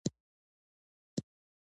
خو غوره معنا یی ترتیبول او تنظیمول دی .